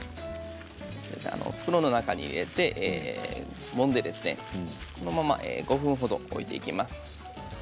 袋の中に入れてもんでこのまま５分ほど置いていきます。